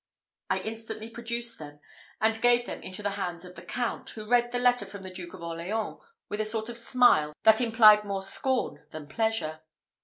I instantly produced them, and gave them into the hands of the count, who read the letter from the Duke of Orleans with a sort of smile that implied more scorn than pleasure.